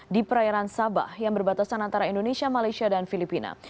di perairan sabah yang berbatasan antara indonesia malaysia dan filipina